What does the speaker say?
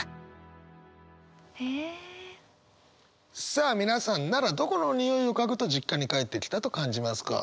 さあ皆さんならどこのにおいを嗅ぐと実家に帰ってきたと感じますか？